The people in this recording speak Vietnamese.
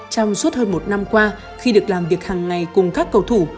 trong suốt hơn một năm qua khi được làm việc hàng ngày cùng các cầu thủ